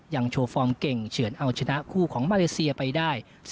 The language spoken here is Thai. โชว์ฟอร์มเก่งเฉือนเอาชนะคู่ของมาเลเซียไปได้